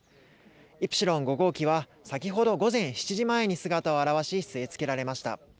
イプシロン５号機は、先ほど午前７時前に姿を現し、据え付けられました。